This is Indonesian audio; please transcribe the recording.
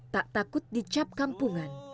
tak takut dicap kampungan